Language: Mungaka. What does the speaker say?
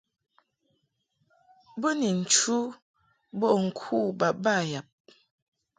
Bo ni nchu mbo ŋku baba yab.